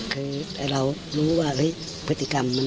คือเรารู้ว่าพฤติกรรมมัน